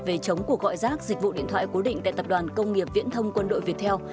về chống cuộc gọi rác dịch vụ điện thoại cố định tại tập đoàn công nghiệp viễn thông quân đội việt theo